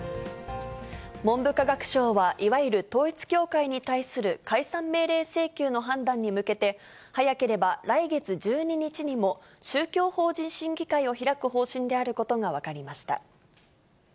文部科学省はいわゆる統一教会に対する解散命令請求の判断に向けて、早ければ来月１２日にも宗教法人審議会を開く方針であることが分かりました。